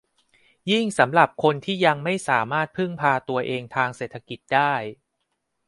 ยิ่งสำหรับคนที่ยังไม่สามารถพึ่งพาตัวเองทางเศรษฐกิจได้